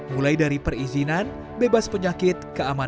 mulai dari perizinan bebas penyakit keadaan kesehatan